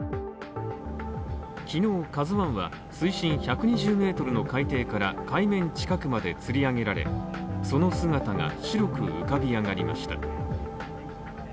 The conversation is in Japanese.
昨日「ＫＡＺＵ１」は水深１２０ｍの海底から海面近くまでつり上げられ、その姿が白く浮かび上がりました。